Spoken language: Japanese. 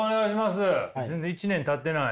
全然１年たってない？